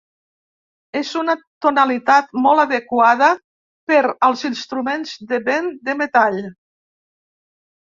És una tonalitat molt adequada per als instruments de vent de metall.